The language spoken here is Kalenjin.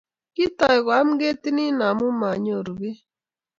kiitou koyam ketit nino amu manyoru beek